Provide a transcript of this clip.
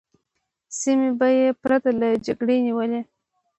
سیمې به یې پرته له جګړې نیولې.